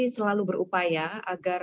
selalu berupaya agar